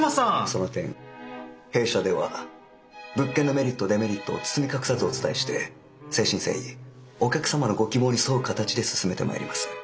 その点弊社では物件のメリットデメリットを包み隠さずお伝えして誠心誠意お客様のご希望に添う形で進めてまいります。